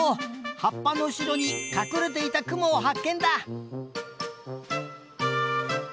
はっぱのうしろにかくれていたクモをはっけんだ！